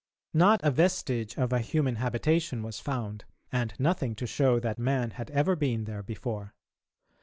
Not a vestige of a human habitation was found, and nothing to show that man had ever been there before.